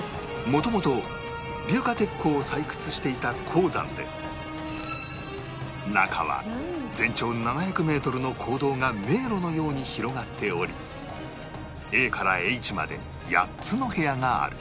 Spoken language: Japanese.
元々硫化鉄鉱を採掘していた鉱山で中は全長７００メートルの坑道が迷路のように広がっており Ａ から Ｈ まで８つの部屋がある